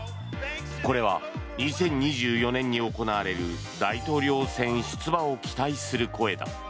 これは２０２４年に行われる大統領選出馬を期待する声だ。